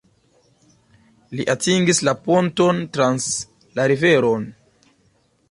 Li atingis la ponton trans la riveron.